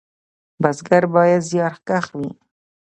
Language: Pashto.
بزګر باید زیارکښ وي